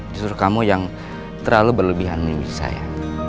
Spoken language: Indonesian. justru kamu yang terlalu berlebihan saya